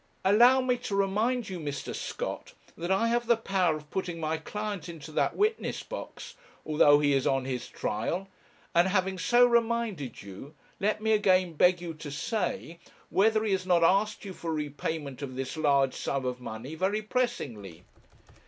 'Allow me to remind you, Mr. Scott, that I have the power of putting my client into that witness box, although he is on his trial; and, having so reminded you, let me again beg you to say whether he has not asked you for repayment of this large sum of money very pressingly.'